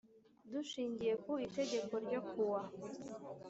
Dushingiye ku itegeko ryo kuwa